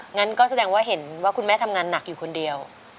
งั้นก็แสดงว่าเห็นว่าคุณแม่ทำงานหนักอยู่คนเดียว